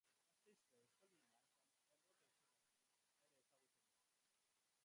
Gasteizko euskaldunen artan Errota izenarekin ere ezagutzen da.